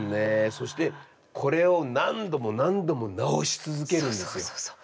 そしてこれを何度も何度も直し続けるんですよ。